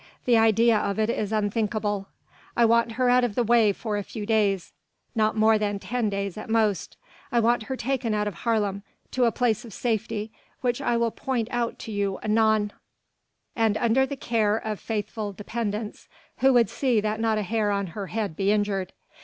The idea of it is unthinkable. I want her out of the way for a few days, not more than ten days at most. I want her taken out of Haarlem, to a place of safety which I will point out to you anon, and under the care of faithful dependents who would see that not a hair on her head be injured.